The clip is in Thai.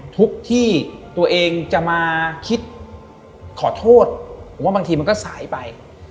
ทุกที่ตัวเองจะมาคิดขอโทษผมว่าบางทีมันก็สายไป